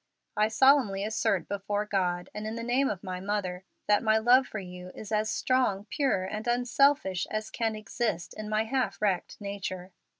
I solemnly assert before God, and in the name of my mother, that my love for you is as strong, pure, and unselfish as can exist in my half wrecked nature."